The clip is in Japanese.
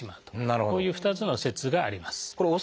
こういう２つの説があります。